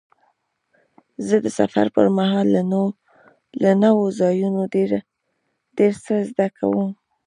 زه د سفر پر مهال له نوو ځایونو ډېر څه زده کوم.